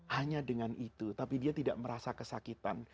hanya dengan itu tapi dia tidak merasa kesakitan